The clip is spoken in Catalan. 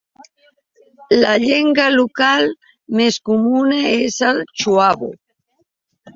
La llengua local més comuna és el "chuabo".